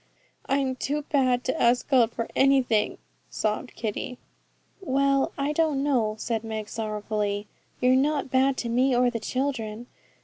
'I'm too bad to ask God for anything,' sobbed Kitty. 'Well, I don't know,' said Meg sorrowfully. 'You're not bad to me or the children.